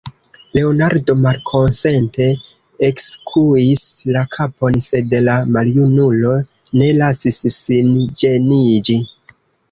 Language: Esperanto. Leonardo malkonsente ekskuis la kapon, sed la maljunulo ne lasis sin ĝeniĝi.